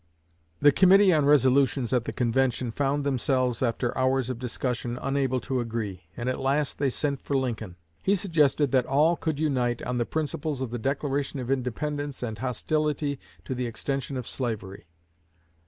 The committee on resolutions at the convention found themselves, after hours of discussion, unable to agree; and at last they sent for Lincoln. He suggested that all could unite on the principles of the Declaration of Independence and hostility to the extension of slavery.